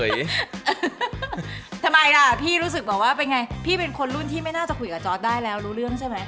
ยังรู้สึกเป็นคนรุ่นที่ไม่น่าจะคุยกับจอสได้หรือ